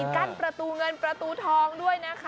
กั้นประตูเงินประตูทองด้วยนะคะ